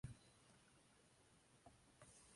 Taarifa hiyo inaweza kuwa kamili au la.